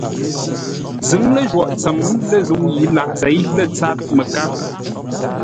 Zʉ̌ŋ ləjwôghʼ tsəm lə̂ zə̂u yi laʼ zěi lə̂ tsâr məkár.